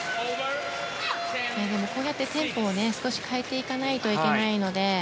こうやってテンポを少し変えていかないといけないので。